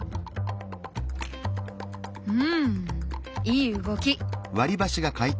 うんいい動き。